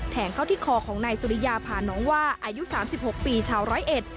แทงเข้าที่คอของนายสุริยาผ่านน้องว่าอายุ๓๖ปีชาวร้อยเอ็ด